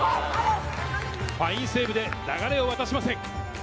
ファインセーブで流れを渡しません。